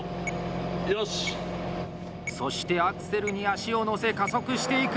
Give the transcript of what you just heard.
そしてアクセルに足をのせ加速していく。